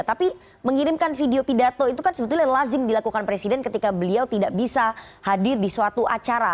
tapi mengirimkan video pidato itu kan sebetulnya lazim dilakukan presiden ketika beliau tidak bisa hadir di suatu acara